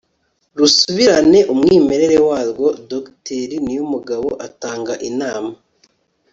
rusubirane umwimerere warwo, dr niyomugabo atanga inama